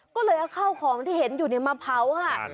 ก็เลยเอาข้าวของที่เห็นอยู่มาเผาค่ะ